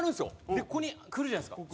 でここに来るじゃないですか。